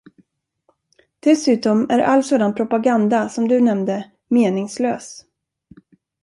Dessutom är all sådan propaganda, som du nämnde, meningslös.